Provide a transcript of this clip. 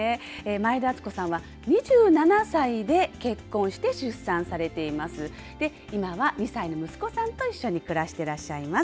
前田敦子さんは、２７歳で結婚して出産されています。